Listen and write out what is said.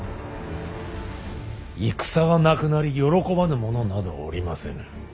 戦がなくなり喜ばぬ者などおりませぬ。